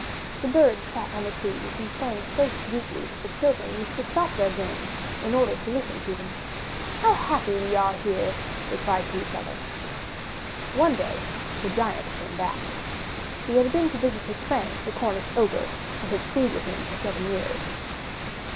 The birds sat on the trees and sang so sweetly that the children used to stop their games in order to listen to them. How happy we are here!*' they cried to each other. One day the Giant came back. He had been to visit his friend, the Cornish ogre, and had stayed with him for seven years.